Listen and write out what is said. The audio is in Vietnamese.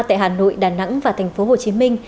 tại hà nội đà nẵng và thành phố hồ chí minh